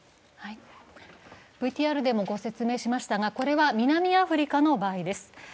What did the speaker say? ＶＴＲでもご説明しましたが、これは南アフリカの場合です。